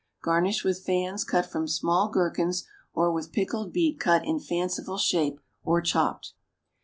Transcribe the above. Garnish with fans cut from small gherkins, or with pickled beet cut in fanciful shape or chopped.